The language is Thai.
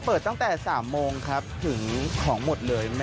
เปิดตั้งแต่๓โมงครับถึงของหมดเลย